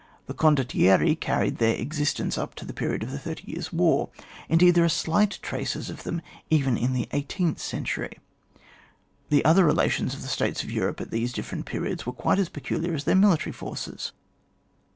The condottieri carried on Uieif existence up to the period of the Thirty "Jftars' War, indeed there are slight traces of them even in the eighteenth century. Ther other relations of the States of Europe at these different periods were quite as peculiar as their military forces.